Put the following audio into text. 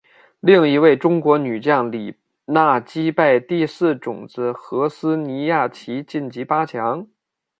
另一位中国女将李娜击败第四种籽禾丝妮雅琪晋级八强。